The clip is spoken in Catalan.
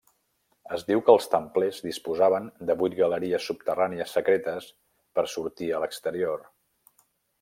Es diu que els templers disposaven de vuit galeries subterrànies secretes per sortir a l'exterior.